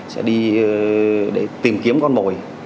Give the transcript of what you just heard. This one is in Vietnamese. sẽ đi tìm kiếm con mồi